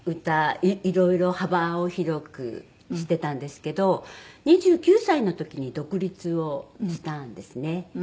いろいろ幅を広くしてたんですけど２９歳の時に独立をしたんですね。